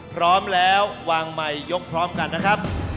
พร้อมแล้ววางไมค์ยกพร้อมกันนะครับ